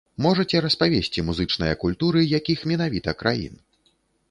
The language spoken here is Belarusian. Можаце распавесці, музычныя культуры якіх менавіта краін?